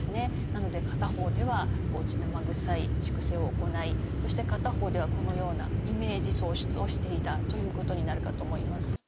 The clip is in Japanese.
なので片方では血生臭い粛清を行いそして片方ではこのようなイメージ創出をしていたということになるかと思います。